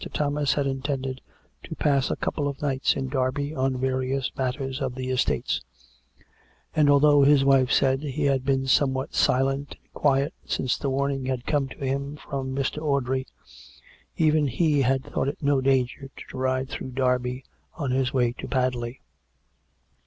Thomas had intended to pass a couple of nights in Derby on various matters of the estates; and although, his wife said, he had been somewhat silent and quiet since the warning had come to him from ]\Ir. Audrey, even he had thouglit it no danger to ride through Derby on his way to Padley.